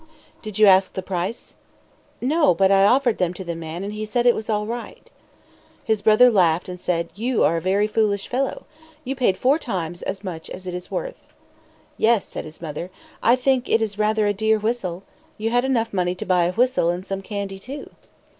"Did you ask the price?" "No. But I offered them to the man, and he said it was all right." His brother laughed and said, "You are a very foolish fellow. You paid four times as much as it is worth." "Yes," said his mother, "I think it is rather a dear whistle. You had enough money to buy a whistle and some candy, too."